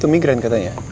tuh migran katanya